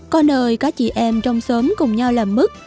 có nơi các chị em trong xóm cùng nhau làm mức